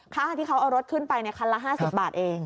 ค่าที่เขาเอารถขึ้นไปคันละ๕๐บาทเอง